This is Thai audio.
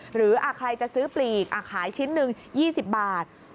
หรือใครจะซื้อปลีกขายชิ้นหนึ่ง๒๐บาท